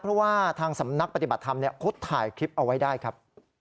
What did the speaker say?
เพราะว่าทางสำนักปฏิบัติธรรมเขาถ่ายคลิปเอาไว้ได้ครับ